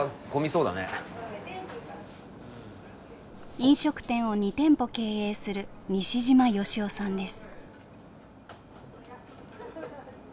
飲食店を２店舗経営する西嶋芳生さんです。